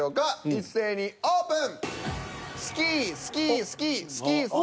一斉にオープン！